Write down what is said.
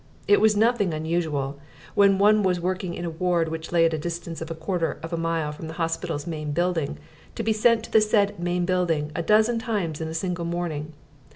It was nothing unusual, when one was working in a ward which lay at a distance of quarter of a mile from the hospital's main building, to be sent to the said main building a dozen times in a single morning.